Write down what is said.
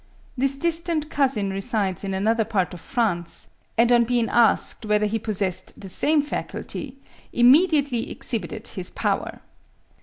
This distant cousin resides in another part of France; and on being asked whether he possessed the same faculty, immediately exhibited his power.